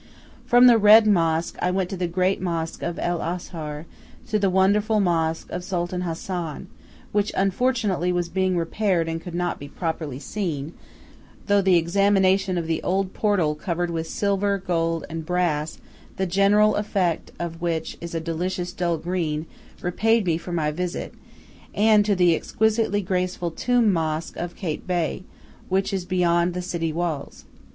From the "Red Mosque" I went to the great mosque of El Azhar, to the wonderful mosque of Sultan Hassan, which unfortunately was being repaired and could not be properly seen, though the examination of the old portal covered with silver, gold, and brass, the general color effect of which is a delicious dull green, repaid me for my visit, and to the exquisitely graceful tomb mosque of Kait Bey, which is beyond the city walls.